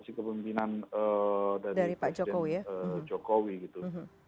posisi kepemimpinan dari presiden jokowi gitu